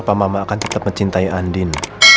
papa mama akan tetap mencintai andin